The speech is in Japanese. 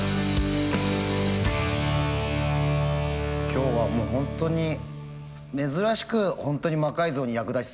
今日はもうホントに珍しくホントに魔改造に役立ちそうな。